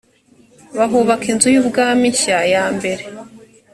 bahubaka inzu y’ubwami nshya ya mbere